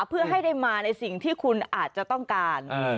เพื่อให้ได้มาในสิ่งที่คุณอาจจะต้องการ